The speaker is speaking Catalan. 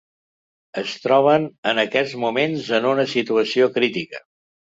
Es troben en aquests moments en una situació crítica.